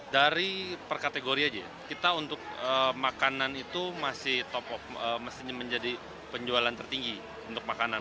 dari perkategori aja ya kita untuk makanan itu masih top up mesti menjadi penjualan tertinggi untuk makanan